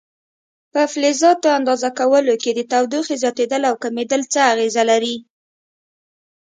په فلزاتو اندازه کولو کې د تودوخې زیاتېدل او کمېدل څه اغېزه لري؟